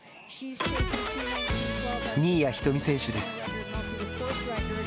新谷仁美選手です。